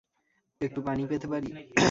একটু পানি পেতে পারি?